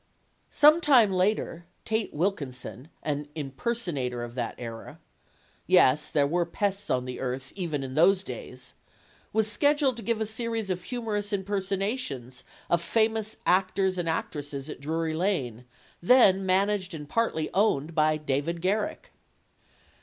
Some time later, Tate Wilkinson, an "impersonator" of that era yes, there were pests on the earth, even in those days was scheduled to give a series of humorous impersonations of famous actors and actresses at the Drury Lane; then managed and partly owned by David Garrick.